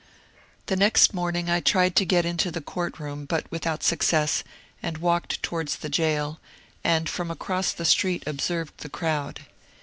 The next morning I tried to get into the court room, but without success, and walked towards the jail, and from across the street observed the crowd.